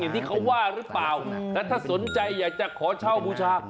ที่เขาว่าหรือเปล่าแล้วถ้าสนใจอยากจะขอเช่าบูชา